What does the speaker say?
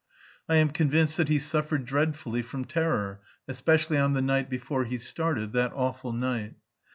I am convinced that he suffered dreadfully from terror, especially on the night before he started that awful night.